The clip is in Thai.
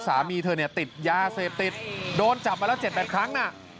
สามีเธอติดยาเสพติดโดนจับมาแล้ว๗๘ครั้ง